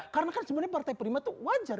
karena kan sebenernya partai prima tuh wajar